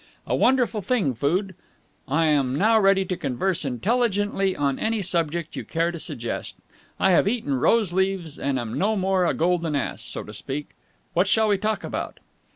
A wonderful thing, food! I am now ready to converse intelligently on any subject you care to suggest. I have eaten rose leaves and am no more a golden ass, so to speak. What shall we talk about?"